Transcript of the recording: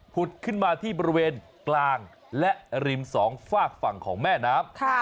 ขึ้นมาที่บริเวณกลางและริมสองฝากฝั่งของแม่น้ำ